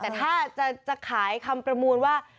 แต่ถ้าจะขายคำประมูลว่า